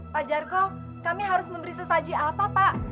pak charco kami harus memberi sesaji apa